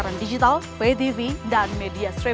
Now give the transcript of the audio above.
sampai jumpa di video selanjutnya